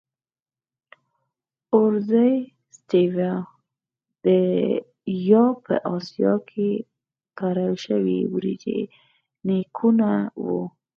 د Oryza sativa یا په اسیا کې کرل شوې وریجې نیکونه وو.